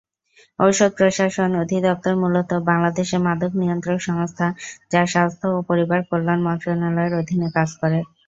ঔষধ প্রশাসন অধিদপ্তর মূলত বাংলাদেশের মাদক নিয়ন্ত্রক সংস্থা যা স্বাস্থ্য ও পরিবার কল্যাণ মন্ত্রণালয়ের অধীনে কাজ করে।